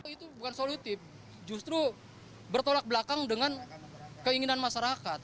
itu bukan solutif justru bertolak belakang dengan keinginan masyarakat